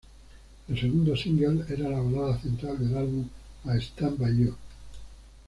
El segundo "single" era la balada central del álbum "I'll Stand by You".